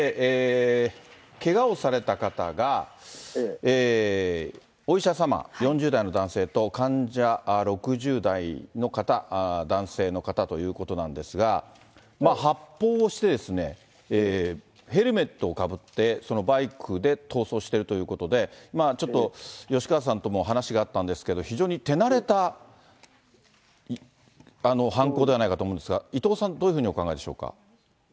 けがをされた方がお医者様、４０代の男性と、患者６０代の方、男性の方ということなんですが、発砲をして、ヘルメットをかぶって、そのバイクで逃走しているということで、ちょっと吉川さんとも話があったんですけど、非常に手慣れた犯行ではないかと思うんですが、いとうさん、どういうふうにお考えでしょうか。